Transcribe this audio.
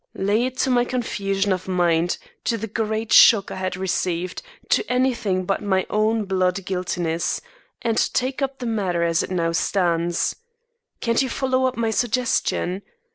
Lay it to my confusion of mind to the great shock I had received, to anything but my own blood guiltiness, and take up the matter as it now stands. Can't you follow up my suggestion?